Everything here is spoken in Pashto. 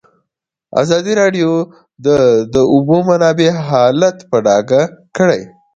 ازادي راډیو د د اوبو منابع حالت په ډاګه کړی.